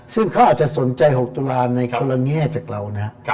ซึ่งเขาอาจจะสนใจ๖ตุลาในคนละแง่จากเรานะ